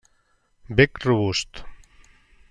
Bec robust.